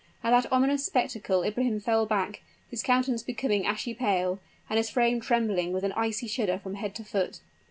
At that ominous spectacle Ibrahim fell back, his countenance becoming ashy pale, and his frame trembling with an icy shudder from head to foot.